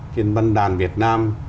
trên văn đàn việt nam